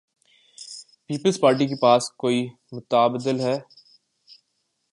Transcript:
Peoples Party کے پاس کو ئی متبادل ہے؟